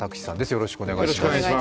よろしくお願いします。